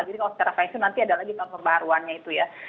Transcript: jadi kalau secara fesyen nanti ada lagi tahun pembaharuannya itu ya